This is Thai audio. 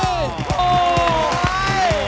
โดยใจ